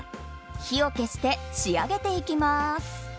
火を消して仕上げていきます。